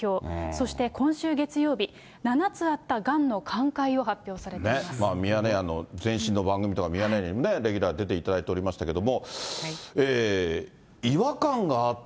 そして今週月曜日、７つあったがんの寛解ミヤネ屋の前身の番組とか、ミヤネ屋でレギュラーで出ていただいてましたけど、違和感があっ